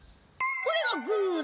これがグーだ。